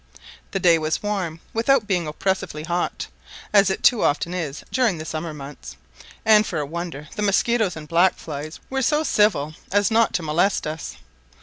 The day was warm, without being oppressively hot, as it too often is during the summer months: and for a wonder the mosquitoes and black flies were so civil as not to molest us.